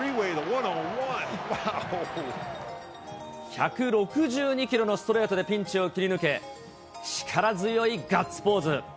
１６２キロのストレートでピンチを切り抜け、力強いガッツポーズ。